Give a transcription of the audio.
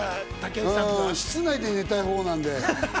室内で寝たいほうなんで。